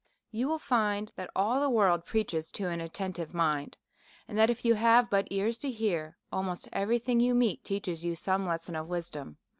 You will find that all the world preaches to an atten tive mind, and that, if you have but ears to hear, al most every thing you meet teaches you some lesson of wisdom.